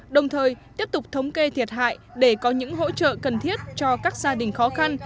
đồng thời tiếp tục thống kê thiệt hại để có những hỗ trợ cần thiết cho các gia đình khó khăn